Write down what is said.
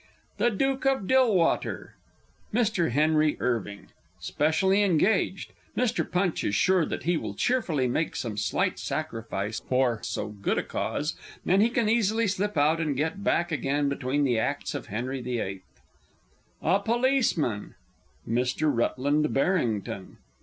The Duke of Dillwater Mr. HENRY IRVING. [_Specially engaged; Mr. Punch is sure that he will cheerfully make some slight sacrifice for so good a cause, and he can easily slip out and get back again between the Acts of "Henry the 8th."_ A Policeman Mr. RUTLAND BARRINGTON.